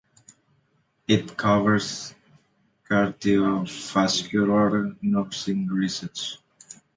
It covers cardiovascular nursing research.